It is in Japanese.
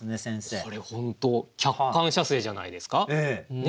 これ本当客観写生じゃないですか？